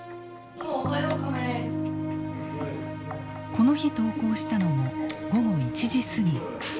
この日登校したのも午後１時過ぎ。